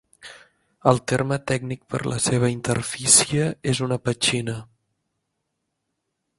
El terme tècnic per la seva interfície és una "petxina".